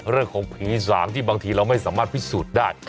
เรื่องของผีสางที่บางทีเราไม่สามารถพิสูจน์ได้